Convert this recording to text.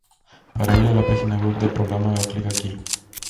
Para ir a la página web del programa haga click aquí.